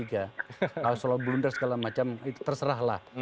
kalau blunder segala macam terserahlah